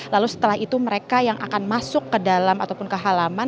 lalu setelah itu mereka yang akan masuk ke dalam ataupun ke halaman